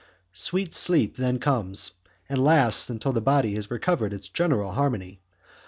Sweet sleep then comes, and lasts until the body has recovered its general harmony.